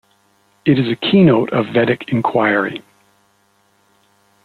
It is a keynote of Vedic inquiry.